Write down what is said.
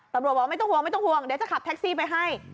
ตำรวจบอกไม่ต้องห่วงเดี๋ยวจะขับแท็กซี่ไปให้